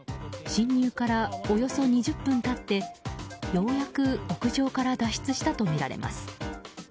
侵入から、およそ２０分経ってようやく屋上から脱出したとみられます。